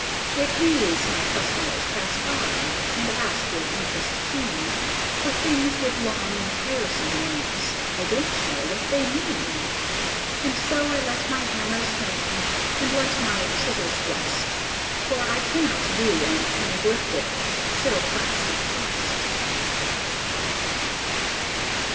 "Yet these my customers pass by, and ask with interest keen, For things with long and tiresome names, I don't know what they mean. And so I let my hammers hang, and let my chisels rust, For I cannot do an anaglyptic ceroplastic bust."